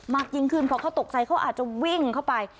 ยิ่งขึ้นเพราะเขาตกใจเขาอาจจะวิ่งเข้าไป